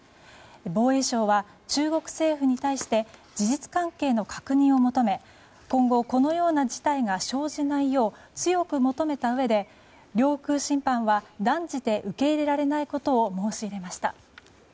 防衛省は中国政府に対して事実関係の確認を求め今後、このような事態が生じないよう強く求めたうえで領空侵犯は断じて受け入れられないことを申し入れました。